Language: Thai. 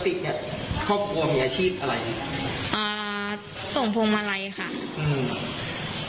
เนี้ยครอบครัวมีอาชีพอะไรอ่าส่งพวงมาลัยค่ะอืม